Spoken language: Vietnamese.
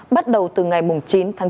bắt đầu từ ngày chín tháng chín